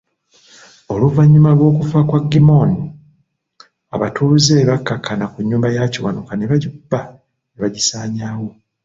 Oluvanyuma lw'okufa kwa Gimmony, abatuuze bakkakkana ku nnyumba ya Kiwanuka ne bagikuba ne bagisanyaawo.